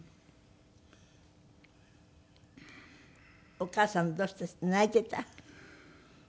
お母さんどうして泣いていた？